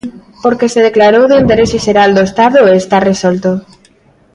Porque se declarou de interese xeral do Estado e está resolto.